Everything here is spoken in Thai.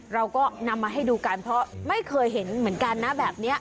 เราก็นำมาให้ดูกันเพราะไม่เคยเห็นเหมือนกันนะแบบนี้